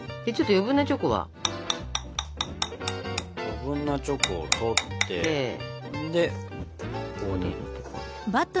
余分なチョコを取ってでここに出して。